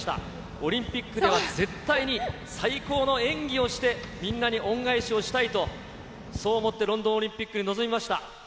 オリンピックでは絶対に最高の演技をして、みんなに恩返しをしたいと、そう思ってロンドンオリンピックに臨みました。